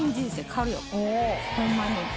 ホンマに。